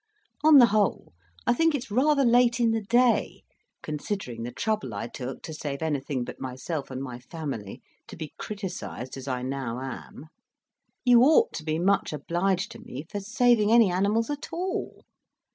On the whole, I think it's rather late in the day, considering the trouble I took to save anything but myself and my family, to be criticised as I now am. You ought to be much obliged to me for saving any animals at all.